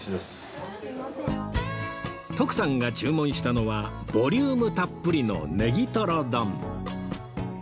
徳さんが注文したのはボリュームたっぷりのねぎトロ丼